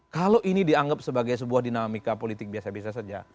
kalau ini dianggap sebagai sebuah dinamika politik biasa biasa saja